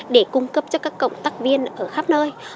để cung cấp cho các cộng tác viên ở khắp nơi